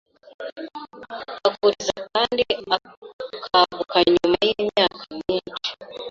aguriza kandi akaguka Nyuma yimyaka myinshi